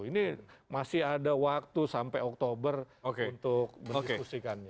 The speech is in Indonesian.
ini masih ada waktu sampai oktober untuk mendiskusikannya